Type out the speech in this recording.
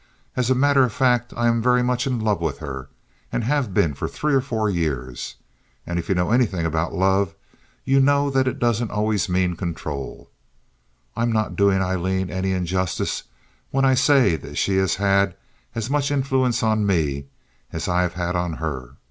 As a matter of fact, I am very much in love with her, and have been for three or four years; and if you know anything about love you know that it doesn't always mean control. I'm not doing Aileen any injustice when I say that she has had as much influence on me as I have had on her.